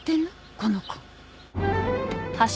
この子。